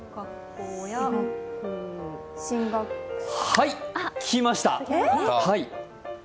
はい！来ました。